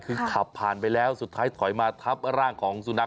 คือขับผ่านไปแล้วสุดท้ายถอยมาทับร่างของสุนัข